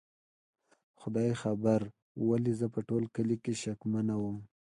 خدای خبر ولې زه په ټول کلي شکمنه ومه؟